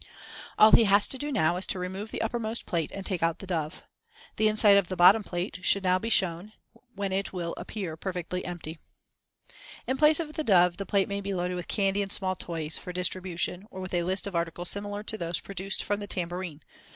All he has to do now is to remove the uppermost plate and take out the dove. The inside of the bottom plate should now be shown, when it will appear perfectly empty. Fig. 27. Plate and Tin Lining. In place of the dove the plate may be loaded with candy and small toys, for distribution; or with a list of articles similar to those produced from the tambourine.